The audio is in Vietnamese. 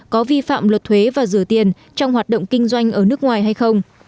có vi phạm luật thuế và rửa tiền trong hoạt động kinh doanh ở nước ngoài hay không